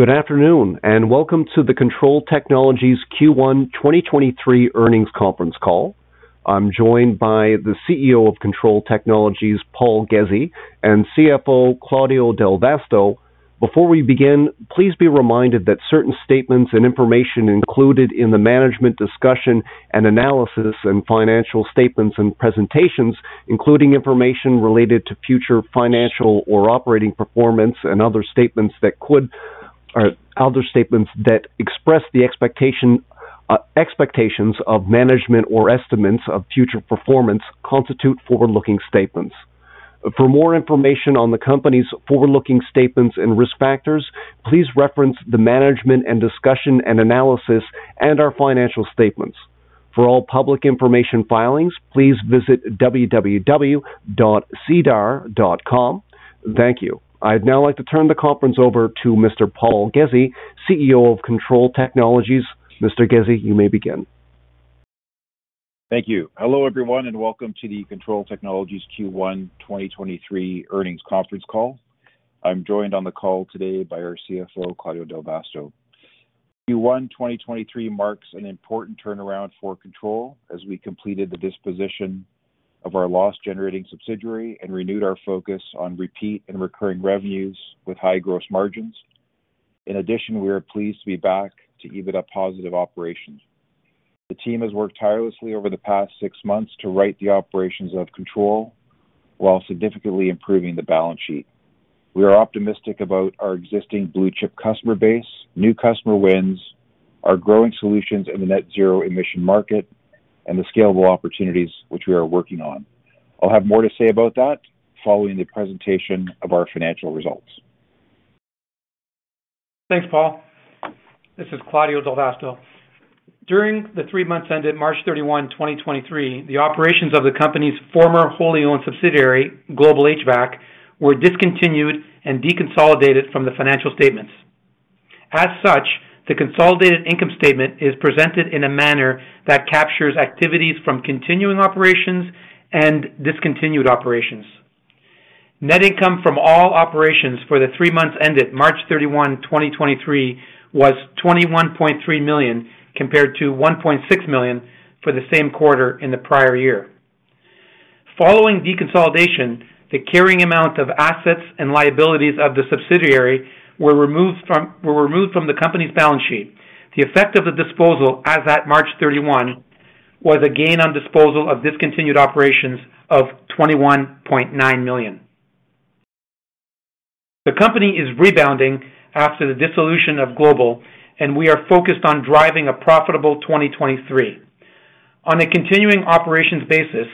Good afternoon, and welcome to the Kontrol Technologies Q1 2023 Earnings Conference Call. I'm joined by the CEO of Kontrol Technologies, Paul Ghezzi, and CFO, Claudio Del Vasto. Before we begin, please be reminded that certain statements and information included in the management discussion and analysis and financial statements and presentations, including information related to future financial or operating performance and other statements that express expectations of management or estimates of future performance constitute forward-looking statements. For more information on the company's forward-looking statements and risk factors, please reference the management and discussion and analysis and our financial statements. For all public information filings, please visit www.SEDAR. Thank you. I'd now like to turn the conference over to Mr. Paul Ghezzi, CEO of Kontrol Technologies. Mr. Ghezzi, you may begin. Thank you. Hello, everyone, and welcome to the Kontrol Technologies Q1 2023 earnings conference call. I'm joined on the call today by our CFO, Claudio Del Vasto. Q1 2023 marks an important turnaround for Kontrol as we completed the disposition of our loss-generating subsidiary and renewed our focus on repeat and recurring revenues with high gross margins. In addition, we are pleased to be back to EBITDA positive operations. The team has worked tirelessly over the past six months to right the operations of Kontrol while significantly improving the balance sheet. We are optimistic about our existing blue-chip customer base, new customer wins, our growing solutions in the net-zero emission market, and the scalable opportunities which we are working on. I'll have more to say about that following the presentation of our financial results. Thanks, Paul. This is Claudio Del Vasto. During the three months ended March 31, 2023, the operations of the company's former wholly owned subsidiary, Global HVAC, were discontinued and deconsolidated from the financial statements. As such, the consolidated income statement is presented in a manner that captures activities from continuing operations and discontinued operations. Net income from all operations for the three months ended March 31, 2023, was 21.3 million, compared to 1.6 million for the same quarter in the prior year. Following deconsolidation, the carrying amount of assets and liabilities of the subsidiary were removed from the company's balance sheet. The effect of the disposal as at March 31 was a gain on disposal of discontinued operations of 21.9 million. The company is rebounding after the dissolution of Global. We are focused on driving a profitable 2023. On a continuing operations basis,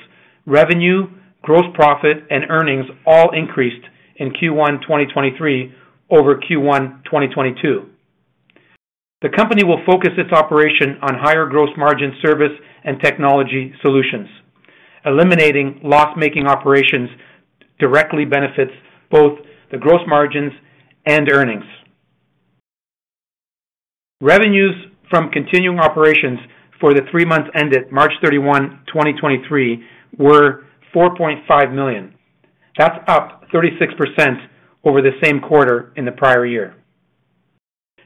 revenue, gross profit and earnings all increased in Q1 2023 over Q1 2022. The company will focus its operation on higher gross margin service and technology solutions. Eliminating loss-making operations directly benefits both the gross margins and earnings. Revenues from continuing operations for the three months ended March 31, 2023 were 4.5 million. That's up 36% over the same quarter in the prior year.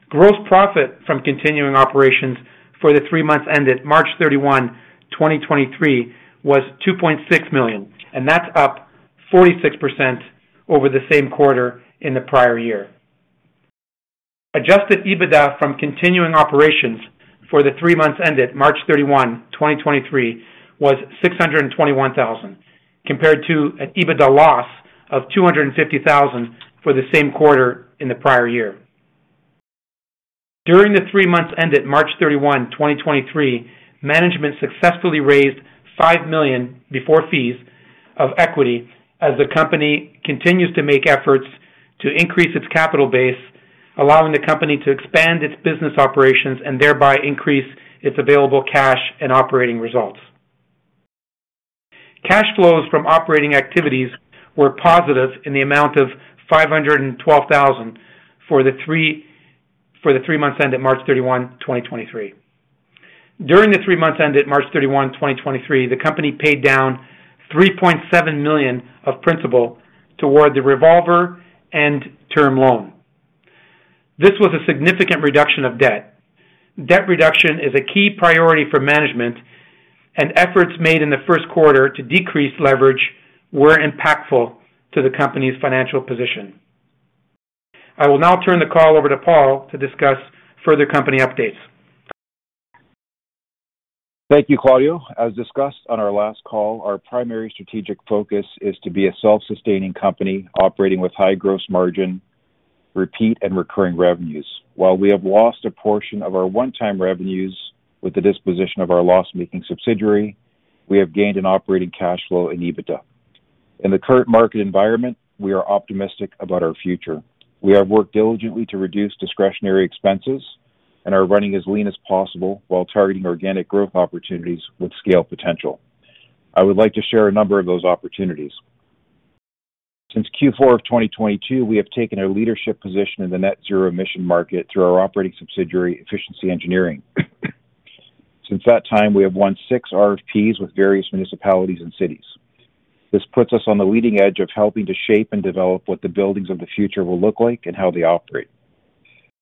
Gross profit from continuing operations for the three months ended March 31, 2023 was 2.6 million. That's up 46% over the same quarter in the prior year. Adjusted EBITDA from continuing operations for the three months ended March 31, 2023, was 621,000, compared to an EBITDA loss of 250,000 for the same quarter in the prior year. During the three months ended March 31, 2023, management successfully raised 5 million before fees of equity as the company continues to make efforts to increase its capital base, allowing the company to expand its business operations and thereby increase its available cash and operating results. Cash flows from operating activities were positive in the amount of 512,000 for the three months ended March 31, 2023. During the three months ended March 31, 2023, the company paid down 3.7 million of principal toward the revolver and term loan. This was a significant reduction of debt. Debt reduction is a key priority for management, and efforts made in the Q1 to decrease leverage were impactful to the company's financial position. I will now turn the call over to Paul to discuss further company updates. Thank you, Claudio. As discussed on our last call, our primary strategic focus is to be a self-sustaining company operating with high gross margin, repeat and recurring revenues. While we have lost a portion of our one-time revenues with the disposition of our loss-making subsidiary, we have gained an operating cash flow in EBITDA. In the current market environment, we are optimistic about our future. We have worked diligently to reduce discretionary expenses and are running as lean as possible while targeting organic growth opportunities with scale potential. I would like to share a number of those opportunities. Since Q4 of 2022, we have taken a leadership position in the net-zero emission market through our operating subsidiary, Efficiency Engineering. Since that time, we have won six RFPs with various municipalities and cities. This puts us on the leading edge of helping to shape and develop what the buildings of the future will look like and how they operate.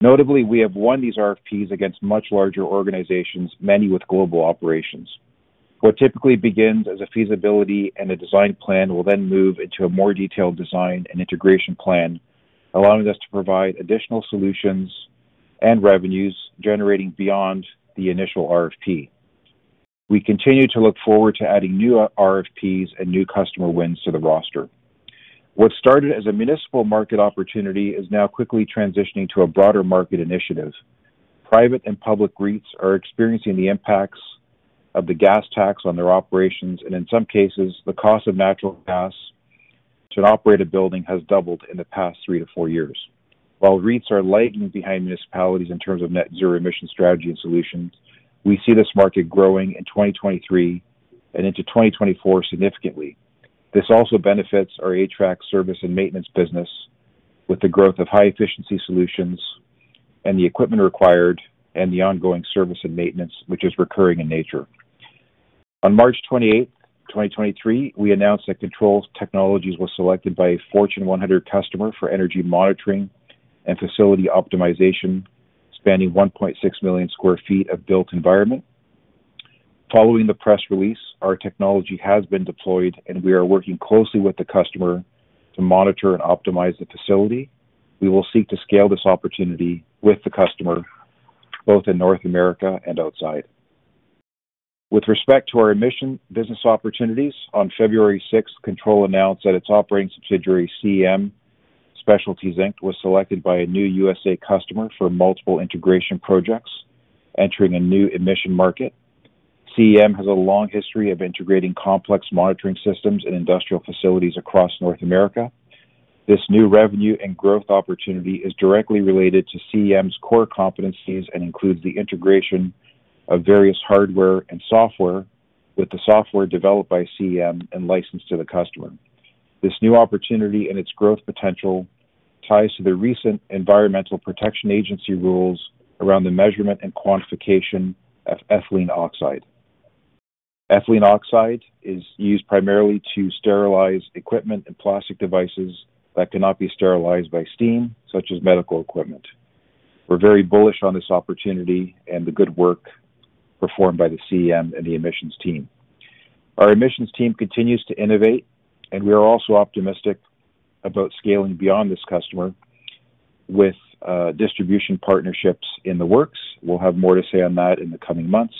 Notably, we have won these RFPs against much larger organizations, many with global operations. What typically begins as a feasibility and a design plan will then move into a more detailed design and integration plan, allowing us to provide additional solutions and revenues generating beyond the initial RFP. We continue to look forward to adding new RFPs and new customer wins to the roster. What started as a municipal market opportunity is now quickly transitioning to a broader market initiative. Private and public REITs are experiencing the impacts of the gas tax on their operations, and in some cases, the cost of natural gas to an operated building has doubled in the past three to four years. While REITs are lagging behind municipalities in terms of net-zero emission strategy and solutions, we see this market growing in 2023 and into 2024 significantly. This also benefits our HVAC service and maintenance business with the growth of high efficiency solutions and the equipment required and the ongoing service and maintenance which is recurring in nature. On March 28, 2023, we announced that Kontrol Technologies was selected by a Fortune 100 customer for energy monitoring and facility optimization, spanning 1.6 million sq ft of built environment. Following the press release, our technology has been deployed, and we are working closely with the customer to monitor and optimize the facility. We will seek to scale this opportunity with the customer both in North America and outside. With respect to our emission business opportunities, on February sixth, Kontrol announced that its operating subsidiary, CEM Specialties Inc, was selected by a new U.S.A. customer for multiple integration projects entering a new emission market. CEM has a long history of integrating complex monitoring systems in industrial facilities across North America. This new revenue and growth opportunity is directly related to CEM's core competencies and includes the integration of various hardware and software, with the software developed by CEM and licensed to the customer. This new opportunity and its growth potential ties to the recent Environmental Protection Agency rules around the measurement and quantification of ethylene oxide. Ethylene oxide is used primarily to sterilize equipment and plastic devices that cannot be sterilized by steam, such as medical equipment. We're very bullish on this opportunity and the good work performed by the CEM and the emissions team. Our emissions team continues to innovate, and we are also optimistic about scaling beyond this customer with distribution partnerships in the works. We'll have more to say on that in the coming months.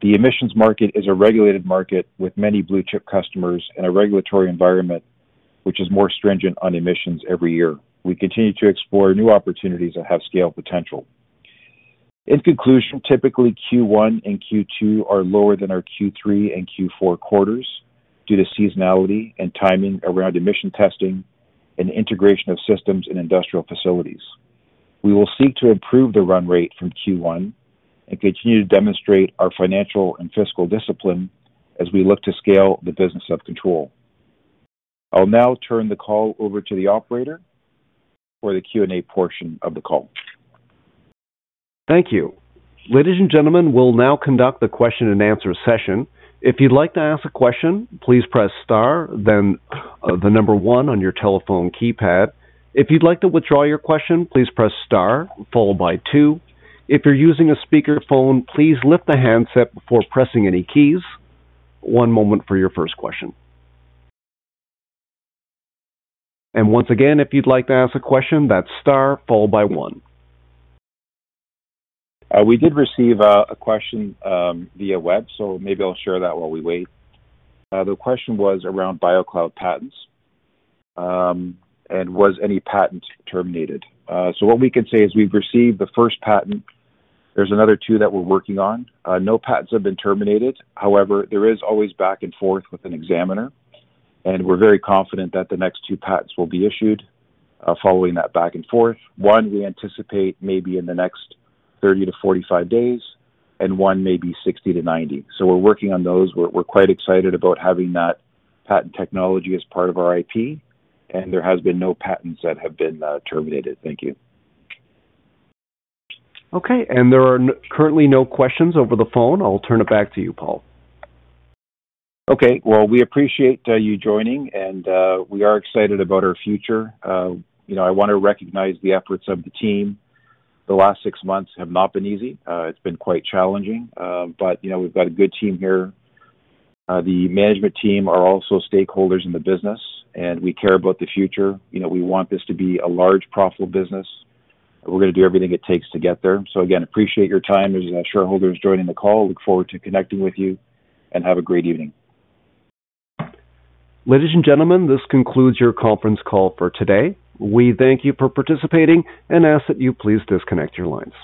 The emissions market is a regulated market with many blue chip customers in a regulatory environment which is more stringent on emissions every year. We continue to explore new opportunities that have scale potential. In conclusion, typically Q1 and Q2 are lower than our Q3 and Q4 quarters due to seasonality and timing around emission testing and integration of systems in industrial facilities. We will seek to improve the run rate from Q1 and continue to demonstrate our financial and fiscal discipline as we look to scale the business of Kontrol. I'll now turn the call over to the operator for the Q&A portion of the call. Thank you. Ladies and gentlemen, we'll now conduct the question and answer session. If you'd like to ask a question, please press star, then the number one on your telephone keypad. If you'd like to withdraw your question, please press star followed by two. If you're using a speakerphone, please lift the handset before pressing any keys. One moment for your first question. Once again, if you'd like to ask a question, that's star followed by one. We did receive a question via web, maybe I'll share that while we wait. The question was around BioCloud patents, and was any patent terminated? What we can say is we've received the first patent. There's another two that we're working on. No patents have been terminated. However, there is always back and forth with an examiner, and we're very confident that the next two patents will be issued following that back and forth. One, we anticipate maybe in the next 30-45 days, and one may be 60-90. We're working on those. We're quite excited about having that patent technology as part of our IP, and there has been no patents that have been terminated. Thank you. Okay. There are currently no questions over the phone. I'll turn it back to you, Paul. Okay. Well, we appreciate you joining. We are excited about our future. You know, I wanna recognize the efforts of the team. The last six months have not been easy. It's been quite challenging. You know, we've got a good team here. The management team are also stakeholders in the business. We care about the future. You know, we want this to be a large, profitable business. We're gonna do everything it takes to get there. Again, appreciate your time as shareholders joining the call. Look forward to connecting with you. Have a great evening. Ladies and gentlemen, this concludes your conference call for today. We thank you for participating and ask that you please disconnect your lines.